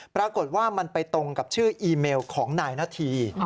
ปรากฏว่ามันไปตรงกับชื่ออีเมลของนายนาธี